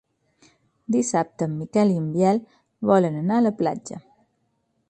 Dissabte en Miquel i en Biel volen anar a la platja.